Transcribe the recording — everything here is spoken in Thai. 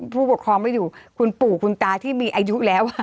ผู้ปกครองไม่อยู่คุณปู่คุณตาที่มีอายุแล้ว